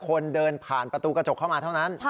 คนเดินผ่านประตูกระจกเข้ามาเท่านั้น